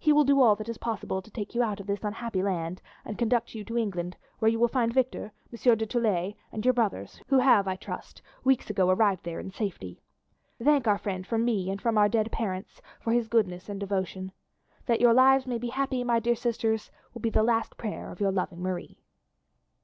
He will do all that is possible to take you out of this unhappy land and conduct you to England, where you will find Victor, Monsieur du Tillet, and your brothers, who have, I trust, weeks ago arrived there in safety. Thank our friend from me and from our dead parents for his goodness and devotion. That your lives may be happy, my dear sisters, will be the last prayer of your loving Marie."